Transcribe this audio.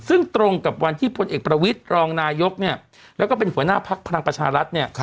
ซึ่งตรงกับวันที่พลเอกประวิทย์รองนายกแล้วก็เป็นหัวหน้าพักพลังประชารัฐเนี่ย